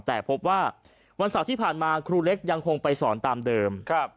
แต่พบว่าวันเสาร์ที่ผ่านมาครูเล็กยังคงไปสอนตามเดิม